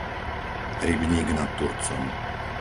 Rybník nad Turcom